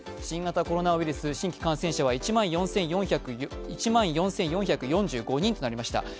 新型コロナウイルス、新規感染者は１万４４４５人となりました。